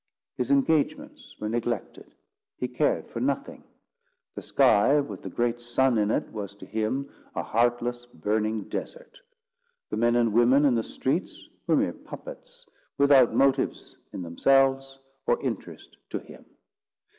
His engagements were neglected. He cared for nothing. The sky, with the great sun in it, was to him a heartless, burning desert. The men and women in the streets were mere puppets, without motives in themselves, or interest to him.